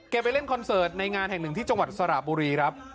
ไปเล่นคอนเสิร์ตในงานแห่งหนึ่งที่จังหวัดสระบุรีครับ